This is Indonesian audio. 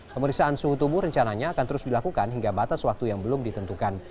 pemeriksaan suhu tubuh rencananya akan terus dilakukan hingga batas waktu yang belum ditentukan